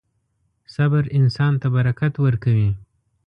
• صبر انسان ته برکت ورکوي.